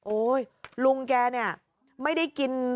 ลุงแกเนี่ยไม่ได้กิน